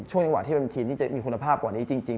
จังหวะที่เป็นทีมที่จะมีคุณภาพกว่านี้จริง